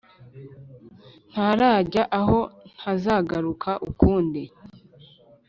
ntarajya aho ntazagaruka ukundi